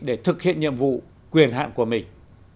để thực hiện nhiệm vụ quyền hạn của mình